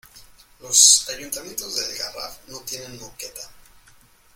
Los ayuntamientos del Garraf no tienen moqueta.